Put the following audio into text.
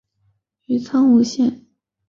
于苍梧县梨埠镇料口村以南汇入东安江。